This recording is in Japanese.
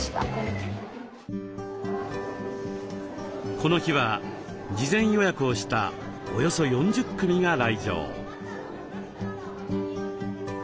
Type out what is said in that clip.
この日は事前予約をしたおよそ４０組が来場。